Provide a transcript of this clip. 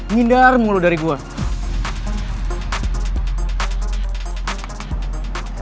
ngindar mulu dari gue